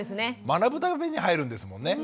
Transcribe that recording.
学ぶために入るんですもんね。